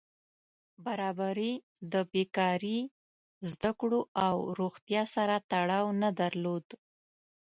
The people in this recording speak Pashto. برابري د بېکاري، زده کړو او روغتیا سره تړاو نه درلود.